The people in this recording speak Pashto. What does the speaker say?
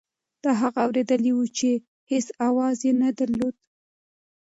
دا هغه اورېدل وو چې هېڅ اواز یې نه درلود.